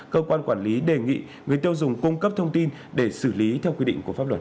cơ quan quản lý đề nghị người tiêu dùng cung cấp thông tin để xử lý theo quy định của pháp luật